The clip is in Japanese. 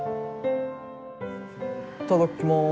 いっただっきます。